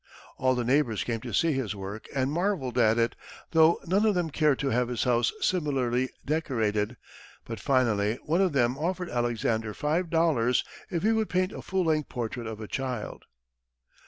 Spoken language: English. All the neighbors came to see his work and marvelled at it, though none of them cared to have his house similarly decorated; but finally one of them offered Alexander five dollars if he would paint a full length portrait of a child.